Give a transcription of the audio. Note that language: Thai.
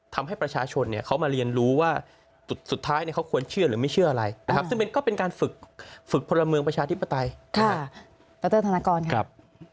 อธิบายค่ะตาเตอร์ธนกรครับ